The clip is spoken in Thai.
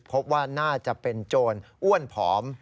พบว่าน่าจะเป็นโจรอ้วนผอม